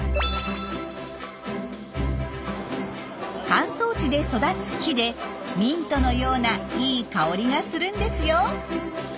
乾燥地で育つ木でミントのようないい香りがするんですよ。